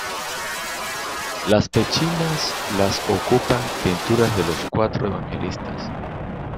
Las pechinas las ocupan pinturas de los cuatro evangelistas.